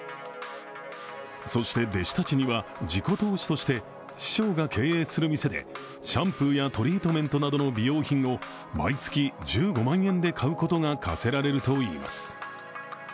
そして弟子たちには、自己投資として師匠が経営する店でシャンプーやトリートメントなどの美容品を毎月１５万円で買うことが課せられるといいます。